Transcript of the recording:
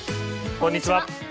こんにちは。